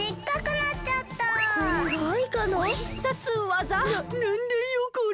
ななんだよこれ？